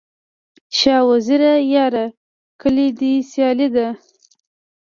شاه وزیره یاره، کلي دي سیالي ده